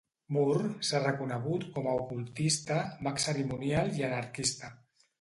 Moore s’ha reconegut com a ocultista, mag cerimonial i anarquista.